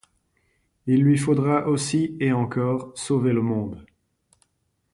Il lui faudra aussi, et encore, sauver le monde.